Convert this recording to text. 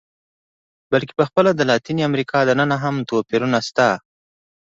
بلکې په خپله د لاتینې امریکا دننه هم توپیرونه شته.